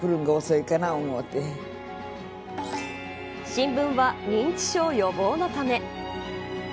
新聞は認知症予防のため。